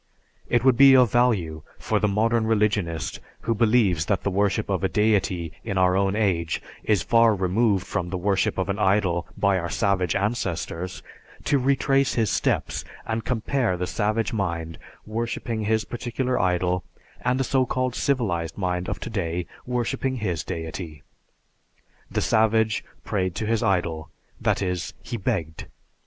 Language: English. It would be of value for the modern religionist who believes that the worship of a deity in our own age is far removed from the worship of an idol by our savage ancestors, to retrace his steps and compare the savage mind worshiping his particular idol and a so called civilized mind of today worshiping his deity. The savage prayed to his idol, that is, he begged.